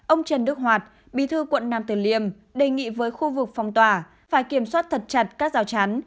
ông trần đức hoạt bí thư quận nam tử liêm đề nghị với khu vực phòng tỏa phải kiểm soát thật chặt các rào chắn